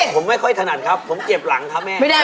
ผมไม่ค่อยถนัดครับผมเก็บหลังครับแม่